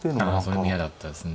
それも嫌だったですね。